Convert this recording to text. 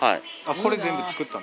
これ全部作ったもの？